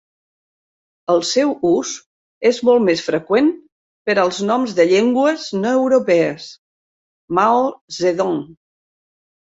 El seu ús és molt més freqüent per als noms de llengües no europees: "Mao Zedong".